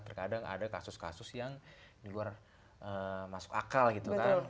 terkadang ada kasus kasus yang di luar masuk akal gitu kan